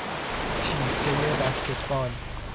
شیفتهی بسکتبال